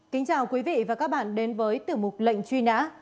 kính chào quý vị và các bạn đến với tiểu mục lệnh truy nã